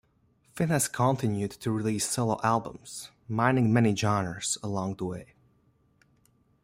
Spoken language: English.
Finn has continued to release solo albums, mining many genres along the way.